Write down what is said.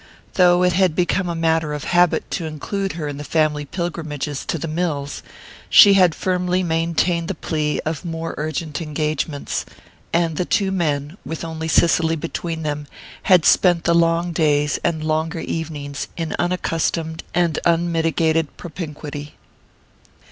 Though it had become a matter of habit to include her in the family pilgrimages to the mills she had firmly maintained the plea of more urgent engagements; and the two men, with only Cicely between them, had spent the long days and longer evenings in unaccustomed and unmitigated propinquity.